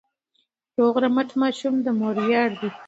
روغ رمټ ماشوم د مور ویاړ دی.